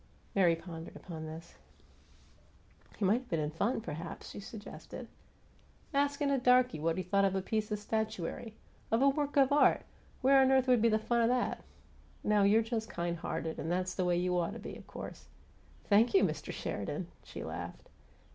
Mary pondered upon this. "He might have been in fun, perhaps," she suggested. "Askin' a darky what he thought of a piece of statuary of a work of art! Where on earth would be the fun of that? No, you're just kind hearted and that's the way you OUGHT to be, of course " "Thank you, Mr. Sheridan!" she laughed.